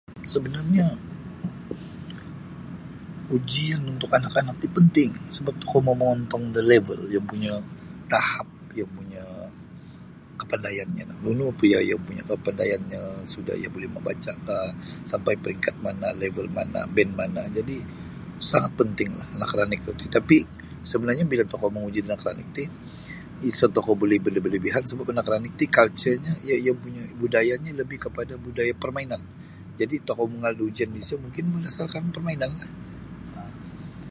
Sebenarnyo ujian untuk anak-anak ti penting sebap tokou mau mongontong da level iyo ompunyo tahap iyo ompunyo kepandayannyo no nunu piyo iyo ompunyo kepandayannyo sudah iyo buli membacakah sampai peringkat mana level mana band mana jadi sangat pentinglah anak ranik roti tapi sebenarnyo bila tokou menguji da anak ranik ti isa tokou buli berlebih-lebihan sebapnyoanak-anak ranik ti culturenyo iyo ompunyo budayanyo lebih kepada permainan jadi tokou mangaal da ujian disiyo berdasarkan permainanlah.